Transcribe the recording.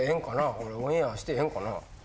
これオンエアしてええんかな？